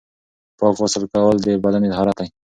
پاک غسل کول د بدن طهارت دی.